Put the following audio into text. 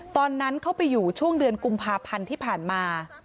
ตอนนั้นเขาไปอยู่ช่วงเดือนกุมภาพันธ์ที่ผ่านมา